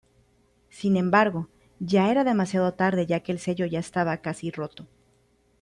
Sin embargo, ya era demasiado tarde ya que el sello ya estaba casi roto.